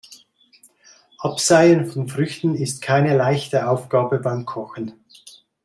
Abseien von Früchten ist keine leichte Aufgabe beim Kochen.